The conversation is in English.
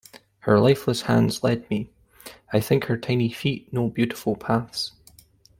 Her lifeless hands led me; I think her tiny feet know beautiful paths.